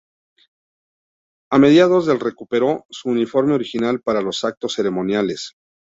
A mediados del recuperó su uniforme original para los actos ceremoniales.